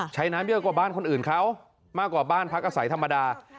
น้ำเยอะกว่าบ้านคนอื่นเขามากกว่าบ้านพักอาศัยธรรมดา